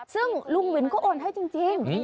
ซึ่งลุงวินก็โอนให้จริง